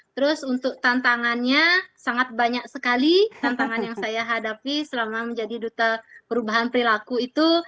terus untuk tantangannya sangat banyak sekali tantangan yang saya hadapi selama menjadi duta perubahan perilaku itu